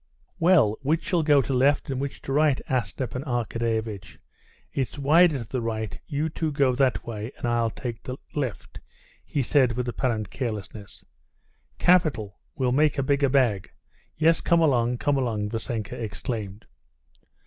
"Well, which shall go to left and which to right?" asked Stepan Arkadyevitch. "It's wider to the right; you two go that way and I'll take the left," he said with apparent carelessness. "Capital! we'll make the bigger bag! Yes, come along, come along!" Vassenka exclaimed.